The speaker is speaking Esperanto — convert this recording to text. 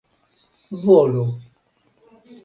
volo